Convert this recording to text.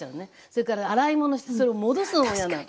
それから洗い物してそれを戻すのも嫌なの。